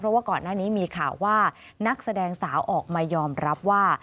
เพราะว่าก่อนหน้านี้มีข่าวว่านักแสดงสาวออกมายอมรับว่า